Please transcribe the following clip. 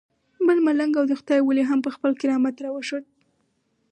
بل ملنګ او د خدای ولی هم خپل کرامت راوښود.